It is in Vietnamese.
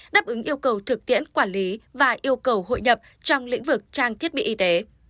đáp ứng yêu cầu thực tiễn quản lý và yêu cầu hội nhập trong lĩnh vực trang thiết bị y tế